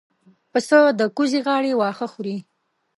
پسه د کوزې غاړې واښه خوري.